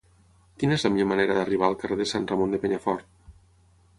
Quina és la millor manera d'arribar al carrer de Sant Ramon de Penyafort?